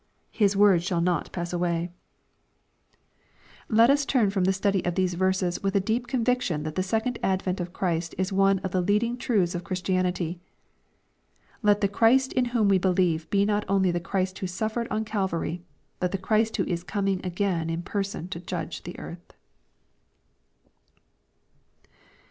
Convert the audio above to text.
'' His words shall not pass away/' LUKE, CHAP. XXI. 379 Let us turn from the study of these verses with a deep conviction that the second advent of Christ is one of the leading truths of Christianity. Let the Chiist ia whom we believe be not only the Christ who suffered on Calvary, but the Christ who is coming again in per son to judge the earth.